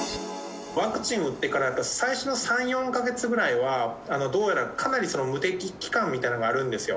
ワクチンを打ってから、やっぱり最初の３、４か月ぐらいは、どうやらかなり無敵期間みたいなのがあるんですよ。